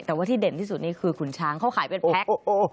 แต่ว่าที่เด่นที่สุดนี่คือขุนช้างเขาขายเป็นแพ็ค